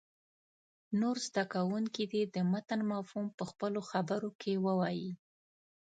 نور زده کوونکي دې د متن مفهوم په خپلو خبرو کې ووایي.